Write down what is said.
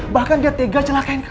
bahkan dia tega celakain